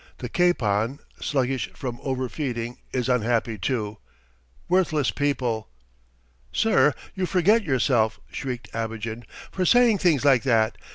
The capon, sluggish from over feeding, is unhappy, too. Worthless people!" "Sir, you forget yourself," shrieked Abogin. "For saying things like that